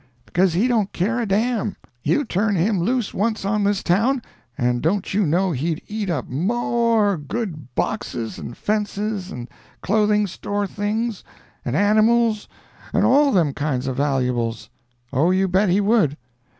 Because he don't care a dam. You turn him loose once on this town, and don't you know he'd eat up m o r e goods boxes, and fences, and clothing store things, and animals, and all them kind of valuables? Oh, you bet he would.